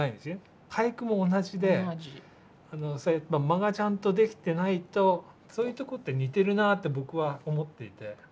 間がちゃんとできてないとそういうとこって似てるなって僕は思っていて。